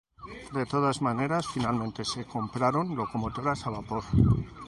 De todas maneras, finalmente se compraron locomotoras a vapor.